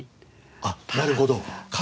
あっなるほど。